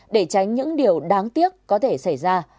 để tránh những điều đáng tiếc có thể xảy ra